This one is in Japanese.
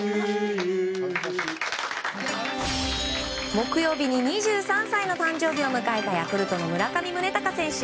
木曜日に２３歳の誕生日を迎えたヤクルトの村上宗隆選手。